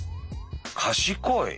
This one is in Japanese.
賢い。